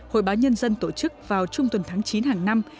hội báo nhân dân tổ chức vào trung tuần tháng chín hàng năm